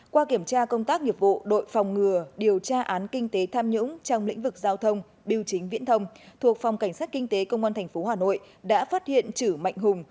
qua kiểm tra công tác nghiệp vụ đội phòng ngừa điều tra án kinh tế tham nhũng trong lĩnh vực giao thông biểu chính viễn thông thuộc phòng cảnh sát kinh tế công an tp hà nội đã phát hiện chử mạnh hùng